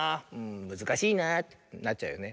「むずかしいな」ってなっちゃうよね。